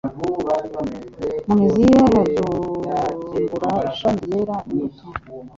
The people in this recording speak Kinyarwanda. mu mizi ye hazumbura ishami ryera imbuto.